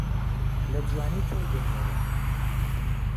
له جوانی تۆی دهنێرم